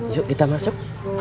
yuk kita masuk